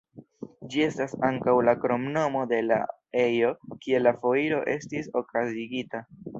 Ĝi estas ankaŭ la kromnomo de la ejo kie la foiro estis okazigita.